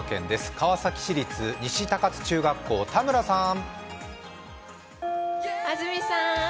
川崎市立西高津中学校、田村さん。